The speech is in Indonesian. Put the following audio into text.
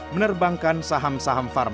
menerbangkan saham saham vaksin